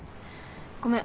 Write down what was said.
ごめん。